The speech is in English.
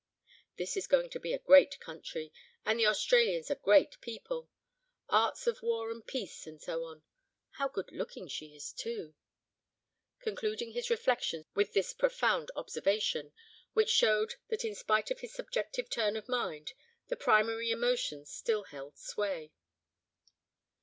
This is going to be a great country, and the Australians a great people—arts of war and peace, and so on. How good looking she is, too," concluding his reflections with this profound observation, which showed that in spite of his subjective turn of mind, the primary emotions still held sway.